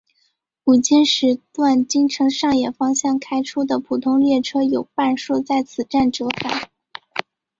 午间时段京成上野方向开出的普通列车有半数在此站折返。